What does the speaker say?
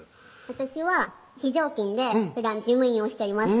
私は非常勤でふだん事務員をしています